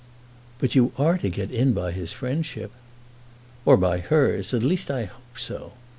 "But you are to get in by his friendship." "Or by hers; at least I hope so.